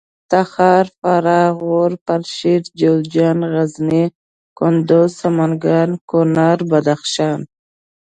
تخار فراه غور پنجشېر جوزجان غزني کندوز سمنګان کونړ بدخشان